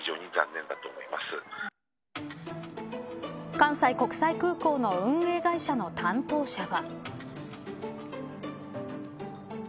関西国際空港の運営会社の担当者は。